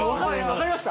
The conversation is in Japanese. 分かりました？